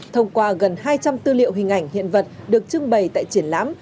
thông qua gần hai trăm linh tư liệu hình ảnh hiện vật được trưng bày tại triển lãm